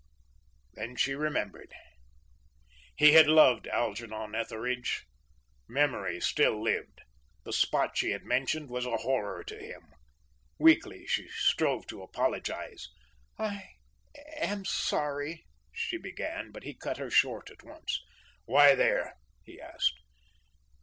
Then she remembered. He had loved Algernon Etheridge. Memory still lived. The spot she had mentioned was a horror to him. Weakly she strove to apologise. "I am sorry," she began, but he cut her short at once. "Why there?" he asked.